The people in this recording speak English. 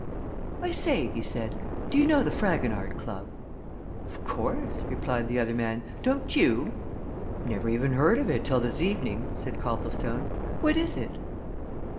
"I say!" he said. "Do you know the Fragonard Club?" "Of course!" replied the other man. "Don't you?" "Never even heard of it till this evening," said Copplestone. "What is it?"